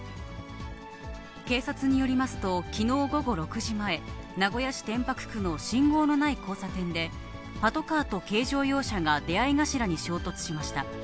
警察によりますと、きのう午後６時前、名古屋市天白区の信号のない交差点で、パトカーと軽乗用車が出会い頭に衝突しました。